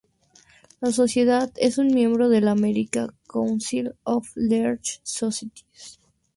La sociedad es un miembro de la American Council of Learned Societies.